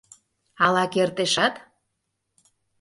— Ала кертешат.